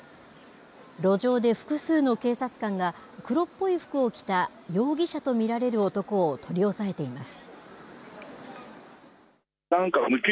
路上で複数の警察官が黒っぽい服を着た容疑者と見られる男を取り押さえています。